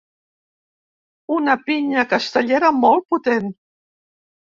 Una pinya castellera molt potent